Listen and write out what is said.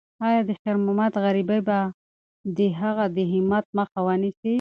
ایا د خیر محمد غریبي به د هغه د همت مخه ونیسي؟